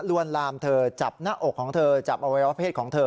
วนลามเธอจับหน้าอกของเธอจับอวัยวะเพศของเธอ